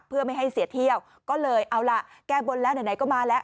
เพื่อไม่ให้เสียเที่ยวก็เลยเอาล่ะแก้บนแล้วไหนก็มาแล้ว